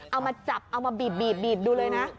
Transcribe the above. เอามาจับเอามาบีบดูเลยนะ